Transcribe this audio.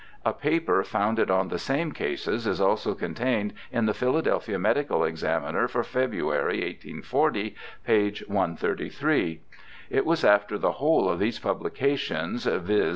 A paper founded on the same cases is also contained in the Philadelphia Medical Examiner for February, 1840, p. 133. It was after the whole of these publica tions—viz.